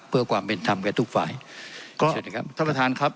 เพื่อความเป็นธรรมกับทุกฝ่ายก็ถ้าประธานครับ